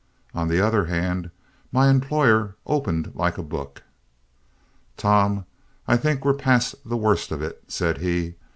On the other hand, my employer opened like a book. "Tom, I think we're past the worst of it," said he.